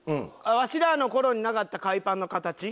わしらの頃になかった海パンの形。